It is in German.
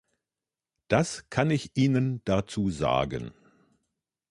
Das kann ich Ihnen dazu sagen.